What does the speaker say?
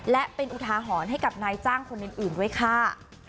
และเป็นอุทาหรณ์ให้กับนายจ้างคนอื่นด้วยค่ะ